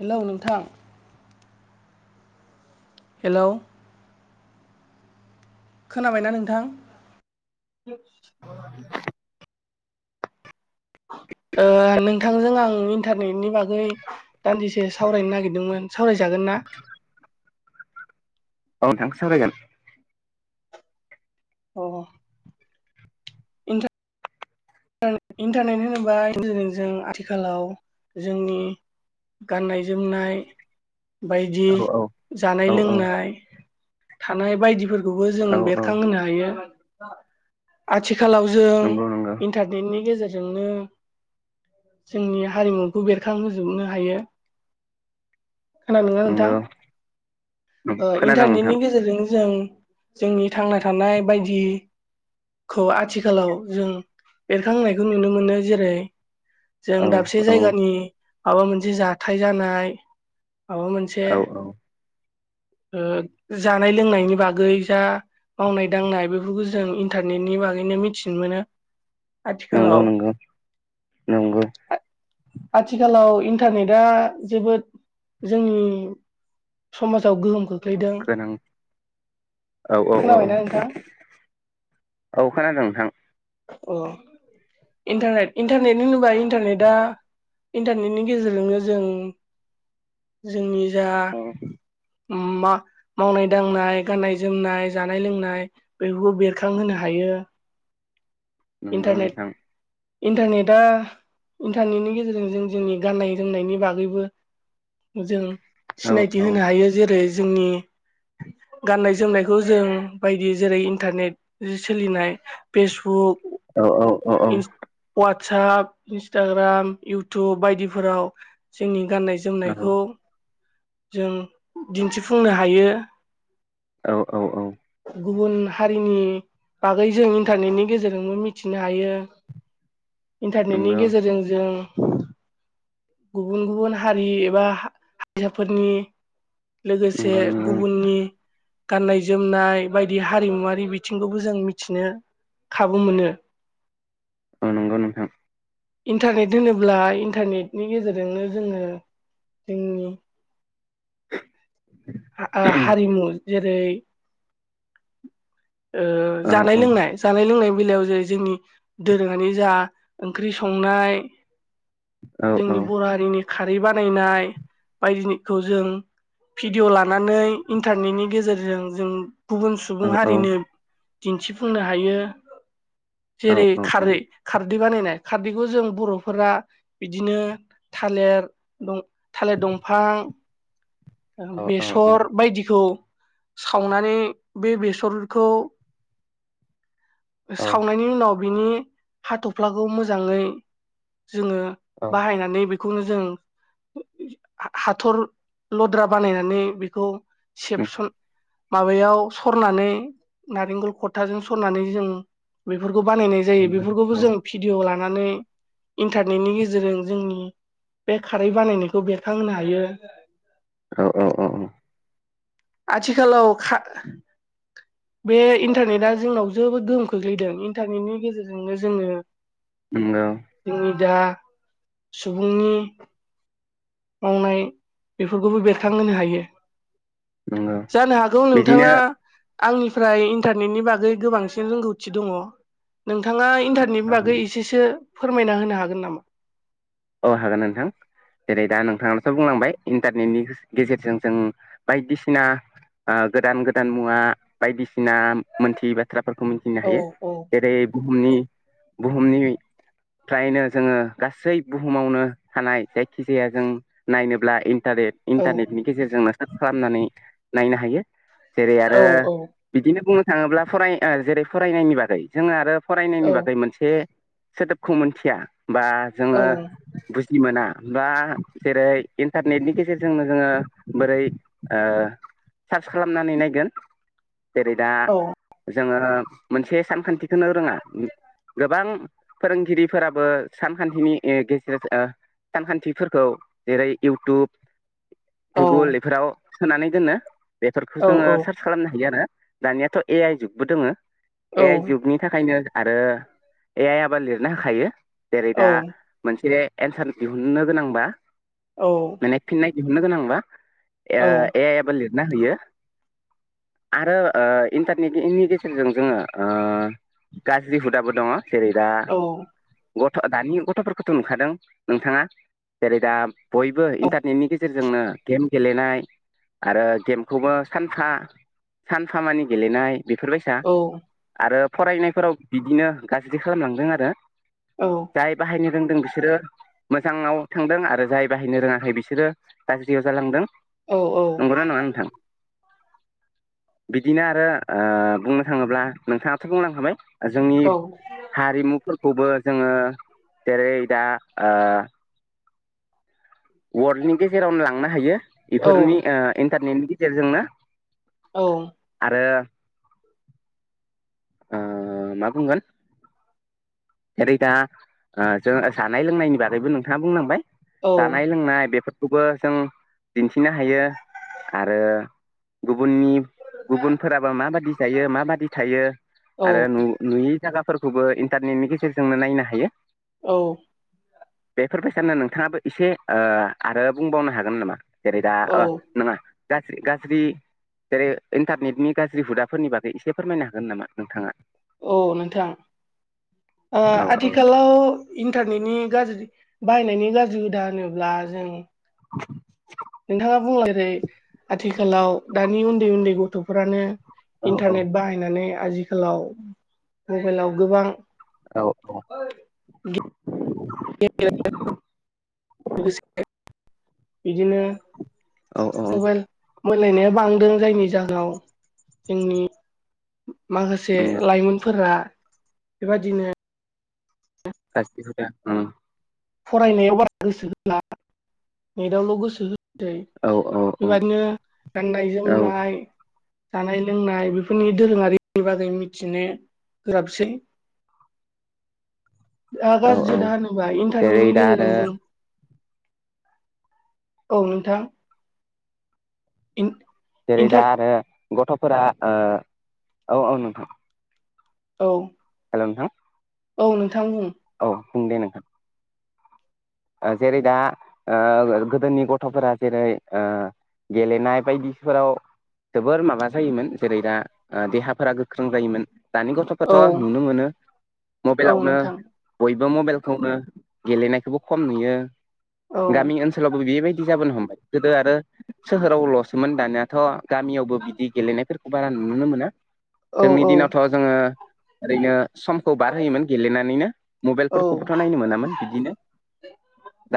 Hello नोंथां? Hello. खोनाबायना नोंथां? [inaudible] औ। ओ नोंथांजों आं इन्टारनेटनि बागै दान्दिसे सावरायनो नागिरदोंमोन सावरायजागोनना? दा। औ नोंथां सावरायगोन। औ। इन्टारनेट इन्टारनेट होनोबा जों आथिखालाव जोंनि गाननाय जोमनाय बायदि औ औ औ जानाय-लोंनाय थानाय बायदिफोरखौ बेबो जों औ औ बेरखांहोनो हायो। आथिखालाव जों नंगौ नंगौ इन्टारनेटनि गेजेरजोंनो जोंनि हारिमुखौ बेरखांहोजोबनो हायो। खोनादोंना नंगौ नोंथां? खोनादों इन्टारनेटनि नोंथां गेजेरजों जों जोंनि थांना थानाय बायदि खौ आथिखालाव जों बेरखांहोनायखौ नुनो मोनो जेरै जों औ दाबसे औ जायगानि माबा मोनसे जाथाय जानाय। माबा मोनसे औ औ जानाय-लोंनायनि बागै जा मावनाय दांनाय बेफोरखौ जों इन्टारनेटनि बागैनो मिथिनो मोनो। नंगौ आथिखालाव नंगौ नंगौ आथिखालाव इन्टारनेटआ जोबोद जोंनि समाजाव गोहोम खोख्लैदों गोनां। औ औ औ औ। खोनाबायना नोंथां औ खोनादों नोंथां। अ' इन्टारनेट इन्टारनेट होनोबा इन्टारनेटआ इन्टारनेटनि गेजेरजोंनो जों जोंनि जा औ मावनाय दांनाय गाननाय जोमनाय जानाय लोंनाय बेफोरखौ बेरखांहोनो हायो। [inaudible] नंगौ इन्टारनेट नोंथां‌। इन्टारनेटआ इन्टारनेटनि गेजेरजों जों जोंनि गाननाय जोमनायनि बागैबो जों औ सिनायथि औ होनो हायो जेरै-जोंनि गाननाय- जोमनायखौ जों बायदि जेरै- इन्टारनेट‌आव सोलिनाय फेसबुक औ औ औ औ इन्स वाटसप इन्सटाग्राम इउटुब बायदिफोराव जोंनि गाननाय जोमनायखौ जों दिन्थिफुंनो हायो। औ औ औ। गुबुन हारिनि बागै जों इन्टारनेटनि गेजेरजोंबो मिथिनो हायो। इन्टारनेटनि नंगौ गेजेरजों जों गुबुन गुबुन हारि एबा हारिसाफोरनि लोगोसे नंगौ नंगौ गुबुननि। गाननाय जोमनाय बायदि हारिमुवारि बिथिंखौबो जों मिथिनो खाबु मोनो। नंगौ नोंथां। इन्टारनेट होनोब्ला इन्टारनेटनि गेजेरजोंनो जोङो जोंनि हा-हारिमु जेरै ओ औ जानाय लोंनाय जानाय लोंनाय बेलायाव जेरै जोंनि दोरोङारि जा ओंख्रि संनाय औ औ जोंनि बर' हारिनि खारै बानायनाय बायदिखौ जों फि भिडिअ लानानै इन्टारनेटनि गेजेरजों जों गुबुन औ सुबुं औ हारिनो दिन्थिफुंनो हायो औ जेरै खारै खार दै खारदै बानायनाय खारदैखौ जों बर'फोरा बिदिनो थालिर दं थालिर दंफां औ बेसर बायदिखौ सावनानै बे बेसरखौ सावनायनि उनाव बिनि हाथ'फ्लाखौ मोजाङै जोङो बाहायनानै बेखौनो जों हाथर लद्रा बानायनानै बेखौ सेबसन माबायाव सरनानै नारेंखल खथाजों सरनानै जों बेफोर खौ बानायनाय जायो बेफोरखौबो जों भिडअ लानानै इन्टारनेटनि गेजेरजों जोंनि बे खारै बानायनायखौ बेरखांहोनो हायो। औ औ औ औ। आथिखालाव खा बे इन्टारनेटआ जोंनाव जेबोद गोहोम खोख्लैदों इन्टारनेटनि गेजेरजोंनो जोङो नंगौ जोंनि दा सुबुंनि मावनाय बेफोरखौबो बेरखांहोनो हायो। नंगौ जानो हागौ नोंथाङा बिदिनो आंनिफ्राय इन्टारनेटनि बागै गोबांसिन रोंगौथि दङ नोंथाङा इन्टारनेटनि बागै एसेसो फोरमायना होनो हागोन नामा? औ हागोन नोंथां जेरै दा नोंथांनाथ' बुंलांबाय इन्टारनेटनि गेजेरजों जों बायदिसिना ओ गोदान गोदान मुवा बायदिसिना मोनथि बाथ्राफोरखौ मिथिनो औ हायो औ जेरै बुहुमनि बुहुमनिफ्रायनो जोङो गासै बुहुमावनो थानाय जायखिजाया जों नायनोब्ला इन्टारेट औ इन्टारनेटनि गेजेरजोंनो सार्च खालामनानै नायनो हायो। जेरै आरो औ औ बिदिनो बुंनो थाङोब्ला फराय जेरै फरायनायनि बागै जोङो आरो फरायनायनि औ बागै मोनसे सोदोबखौ मोनथिया बा औ जोङो बुजि मोना बा जेरै इन्टारनेटनि गेजेरजोंनो जोङो बोरै ओ ओ सार्स खालामनानै नायगोन जेरै दा औ जोङो मोनसे सानखान्थिखोनो रोङा गोबां फोरोंगिरिफोराबो सानखान्थिनि गे सानखान्थिफोरखौ जेरै इउटुब गुगुल इफोराव सोनानै दोनो बेफोरखौ औ जोङो सार्च खालामनो हायो आरो दानियाथ' ए आइ जुगबो दोङो। ए आइ जुगनि थाखायनो आरो ए आइ आ बा लिरनो होखायो जेरै औ दा बिसोरो एन्सार दिहुननो गोनांबा औ औ माने फिननाय दिहुननो गोनांबा ए आइ याबो लिरना होयो। आरो ओ इन्टारनेटनि गेजेरजों जोङो ओ गाज्रि हुदाबो दङ जेरै दा गथ' दानि गथ'फोर गथ' खौथ' नुखादों नोंथाङा जेरै दा बयबो इन्टारनेटनि गेजेर जोंनो गेम गेलेनाय आरो गेमखौबो सानफा सानफा मानि गेलेनाय बेफोरबायसा आरो फरायनायफोराव बिदिनो गाज्रि खालामलांदों आरो जाय बाहायनो रोंदों बिसोरो मोजाङाव थांदों आरो जाय बाहायनो रोङाखै बिसोरो गाज्रियाव जालांदों औ औ नंगौना न‌ङा नोंथां बिदिनो आरो बुंनो थाङोब्ला नोंथाङाथ' बुंलांखाबाय जोंनि हारिमुफोरखौबो जोङो जेरै दा ओ वर्ल्डनि गेजेरावनो लांनो हायो बेफोरनि इन्टारनेटनि गेजेरजोंनो औ ओ ओ मा बुंगोन जेरै दा जों जानाय लोंनायनि बागैबो नोंथाङा बुंलांबाय जानाय लोंनाय बेफोर खौबोजों दिथिनो हायो आरो गुबुननि गुबुनफोराबो माबादि जायो माबादि थायो आरो नु नुयि जागाफोरखौबो इन्टारनेटनि गेजेरजोंनो नायनो हायो औ बेफोरबायसानो नोंथाङाबो एसे ओक्षआरो बुंबावनो हागोन नामा जेरै दा औ नङा गाज्रि गाज्रि जेरै इन्टारनेटनि गाज्रि हुदाफोरनि बागै एसे फोरमायनो हागोन नामा नोंथाङा औ नोंथां औ आथिखालाव इन्टारनेटनि गाज्रि बाहायनायनि गाज्रि हुदा होनोब्ला जों [inaudible] नोंथाङा बुंलांबाय आथिखालाव दानि उन्दै उन्दै गथ'फोरानो औ इन्टारनेट बाहायनानै आजिखालाव मबाइलाव गोबां औ आरो द [unintelligible] बिदिनो औ औ मबाइल मोनलायनाया बांदों जायनि जाहाव जोंनि माखासे नंगौ लाइमोनफोरा बेबादिनो सासा [unintelligible] फरायनायाव बारा गोसो होला नेटआवल' गोसो हो सै औ औ बेबदिनो गाननाय औ जोमनाय जानाय लोंनाय बेफोरनि दोरोङारिनि बागै मिथिनो गोब्राबसै दा औ गाज्रि औ हुदा होनोबा जेरै इन्टारनेटनि दा गेजेरजों आरो जों औ नोंथां जेरै दा इन्टार आरो गथ'फोरा ओ औ औ नोंथां औ हेलौ नोंथां औ नोंथां बुं औ बुं दे नोंथां जेरै दा ओ गोदोनि गथ'फोरा जेरै ओ गेलेनाय बायदिफोराव जोबोर माबा जायोमोन जेरै दा ओ देहाफोरा गोख्रों जायोमोन दानि औ गथ'फ्राथ' नुनो मोनो औ मबाइलावनो नोंथां बय मबाइलखौनो गेलेनायखौबो खम नुयो औ गामि ओनसोलावबो बेबायदि जाबोनो हमबाय गोदो आरो सोहोरावल'सोमोन दानियाथ' गामियावबो बिदि गेलेनायफोर बारा नुनोनो मोना औ जोंनि औ दिनावथ' जोङो ओरैनो समखौ बारहोयोमोन गेलेनानैनो औ मबाइलफोरखौबोथ' नायनो मोनामोन बिदिनो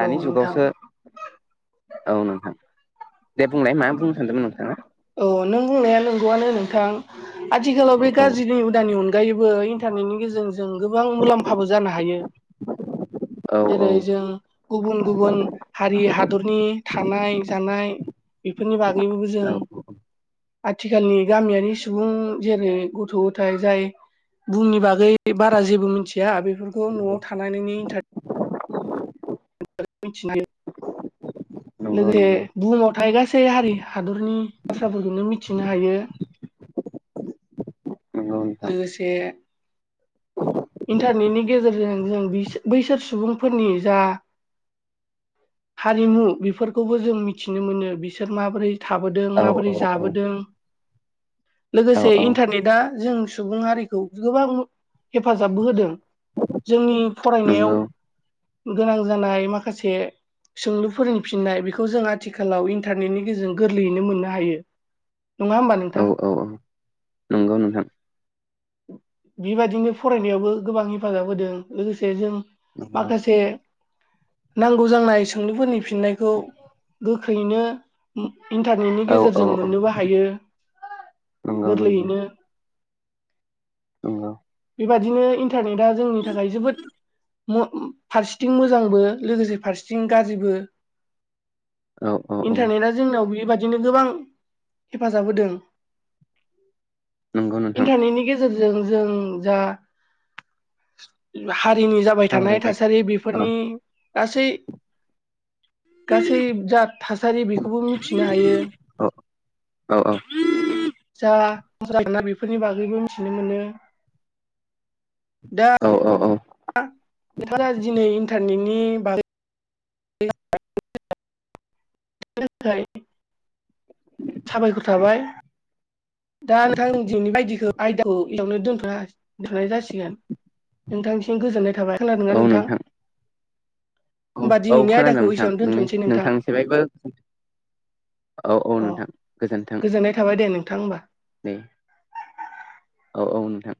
औ नोंथां जुगावसो औ नोंथां दे बुंलाय मा बुंनो सानदोंमोन नोंथाङा! औ नों बुंनाया नंगौआनो नोंथां आथिखालाव औ बे औ गाज्रिनि हुदानि उन बो इन्टारनेटनि गेजेरजों गोबां मुलाम्फ हाबो जानो हायो औ औ जेरै जों गुबुन गुबन हारि हा दरनि थानाय जानाय बेफोरनि बागैबोबो जों आथिखालनि गामियारि सुबुं जेरै गथ' गथाय जाय बुंनि बागै बारा जेबो मिथिया बेफोरखौ न'आव थानानैनो इन्टार [inaudible] [unintelligible] नंगौ लोगोसे नंगौ बुहुमाव थायो गासै हारि हादरनि बाथ्राफोरखौनो मिथिनो हायो नंगौ नोंथां लोगोसे [inaudible] इन्टारनेटनि गेजेरजों जों बिसो बैसोर सुबुंफोरनि जा हारिमु बेफोरखौबो जों मिथिनो मोनो बिसोर माबोरै थाबोदों औ माबोरै औ जाबोदों औ लोगोसे औ इन्टारनेटआ जों सुबुं हारिखौ गोबां हेफाजाबबो होदों। जोंनि फरायनायाव नंगौ गोनां जानाय माखासे सोंलु फोरोंफिननाय बेखौ जों आथिखालाव इन्टारनेटनि गेजेरजों गोरलैयैनो मोननो हायो। नङा होमबा औ नोंथाङा! औ औ नंगौ नोंथां बेबायदिनो फरायनायावबो गोबां हेफाजाब होदों लोगोसे जों नंगौ माखासे नांगौ जांनाय सोंलुफोरनि फिननायखौ गोख्रैयैनो इन्टारनेटनि औ औ गेजेरजों औ मोननोबो हायो नंगौ नंगौ गोरलैयैनो नंगौ बेबादिनो इन्टारनेटआ जोंनि थाखाय जोबोद म फारसेथिं मोजांबो लोगोसे फारसेथिं गाज्रिबो औ औ औ इन्टारनेटआ जोंनाव बेबादिनो गोबां हेफाजाब होदों नंगौ नोंथां इन्टारनेटनि गेजेरजों जों जा हारिनि जाबाय थानाय सावरायबाय थासारि बि औ फोरनि गासै गासै जा थासारि बेखौबो मिथिनो हायो औ औ औ जा [unintelligible] मोना बेफोरनि बागैबो मिथिनो मोनो दा औ औ औ दिनै इन्टारनेटनि बागै [unintelligible] थाखाय साबायखर थाबाय दा नोंथां [unintelligible] बायदिखौ आयदाखौ इयावनो दोनथ' दोनथ'नाय जासिगोन। नोंथांसिम गोजोननाय थाबाय। खोनादोंङा नोंथां? औ होमबा औ दिनैनि खोनादों आयदाखौ नोंथां। एसेयावनो नोंनि दोनथ'नोसै नोंथां नोंथांनिसे बायबो औ औ अ नोंथां गोजोन्थों। गोजोननाय थाबाय दे नोंथां होमबा दे औ औ नोंथां